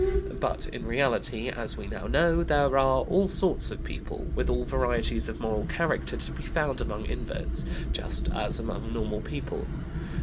But, in reality, as we now know, there are all sorts of people, with all varieties of moral character, to be found among inverts, just as among normal people.